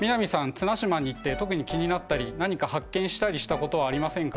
綱島に行って特に気になったり何か発見したりしたことはありませんか？